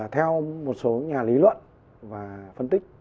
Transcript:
theo một số nhà lý luận và phân tích